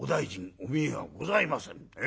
お見えがございませんで。